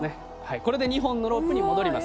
これで２本のロープに戻ります。